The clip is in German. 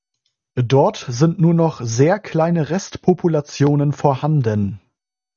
Dort sind nur noch sehr kleine Rest-Populationen vorhanden.